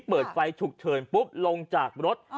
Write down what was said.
เปิดไฟฉุกเฉินปุ๊บลงจากรถ